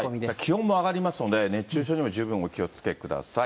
気温も上がりますので、熱中症にも十分お気をつけください。